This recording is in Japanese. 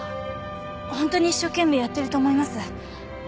ホントに一生懸命やってると思います。